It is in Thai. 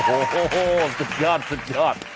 โอ้โหสุดยอด